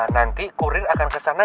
nanti kuril akan kesana ya pak